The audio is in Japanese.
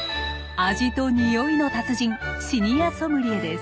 味とニオイの達人シニアソムリエです。